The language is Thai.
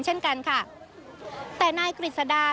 เช่นกันค่ะแต่นายกฤษดา